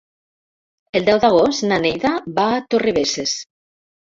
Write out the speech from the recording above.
El deu d'agost na Neida va a Torrebesses.